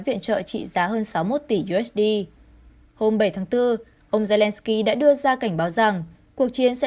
viện trợ trị giá hơn sáu mươi một tỷ usd hôm bảy tháng bốn ông zelenskyy đã đưa ra cảnh báo rằng cuộc chiến sẽ